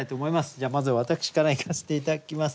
じゃあまずは私からいかせて頂きます。